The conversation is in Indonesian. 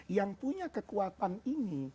yang punya kekuatan ini